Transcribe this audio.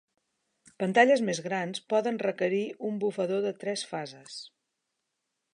Pantalles més grans poden requerir un bufador de tres fases.